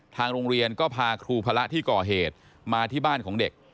ทางโรงเรียนก็พาครูพระที่ก่อเหตุมาที่บ้านของเด็ก